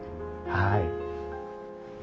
はい。